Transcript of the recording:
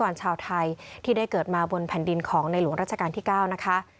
วันชาวไทยที่ได้เกิดมาบนแผ่นดินของในหลวงราชการที่๙นะคะ